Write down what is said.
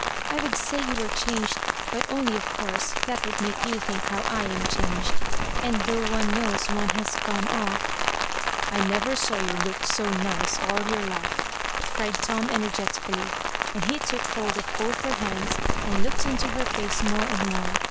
" I Would say you were changed, but only of course that would make you think how I am changed; and tliough one knows one has gone oflf— " "I never saw you look so nice all your Mfe," cried Tom, energetically j and he took hold of both her hands, and looked into her face more and more.